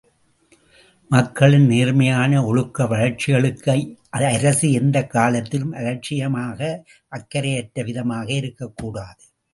மக்களின் நேர்மையான ஒழுக்க வளர்ச்சிகளுக்கு அரசு எந்தக் காலத்திலும் அலட்சியமாக, அக்கரையற்ற விதமாக இருக்கக் கூடாது.